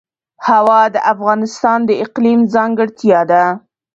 هوا د افغانستان د اقلیم ځانګړتیا ده.